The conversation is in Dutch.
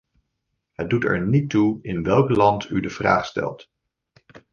Het doet er niet toe in welk land u de vraag stelt.